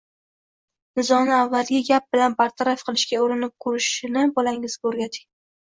Nizoni avvaliga gap bilan bartaraf qilishga urinib ko‘rishni bolangizga o‘rgating